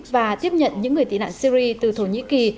và tiếp nhận những người tị nạn syri từ thổ nhĩ kỳ